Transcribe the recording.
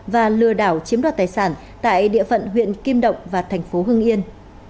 và lừa đảo chiếm đoạt tài sản tại địa phận huyện kim động và thành phố hưng yên